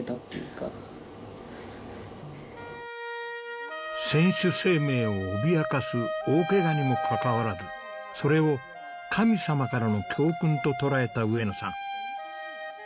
ちゃんともっと選手生命を脅かす大ケガにもかかわらずそれを神様からの教訓と捉えた上野さん。